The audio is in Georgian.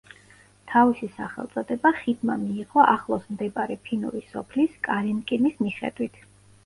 თავისი სახელწოდება ხიდმა მიიღო ახლოს მდებარე ფინური სოფლის კალინკინის მიხედვით.